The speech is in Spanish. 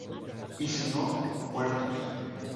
Y si no, muertos.